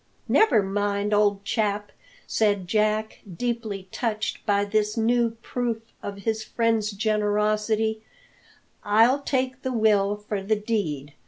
"Never mind, old chap!" said Jack, deeply touched by this new proof of his friend's generosity; "I'll take the will for the deed.